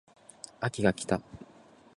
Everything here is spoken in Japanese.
秋が来た